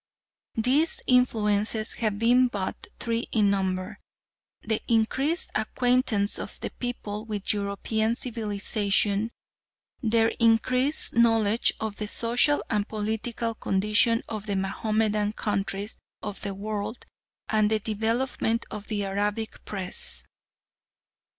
These influences have been but three in number the increased acquaintance of the people with European civilisation, their increased knowledge of the social and political condition of the Mahomedan countries of the world, and the development of the Arabic Press.